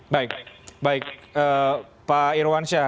baik baik pak irwansyah